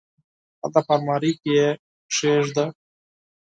هلته په المارۍ کي یې کښېږده !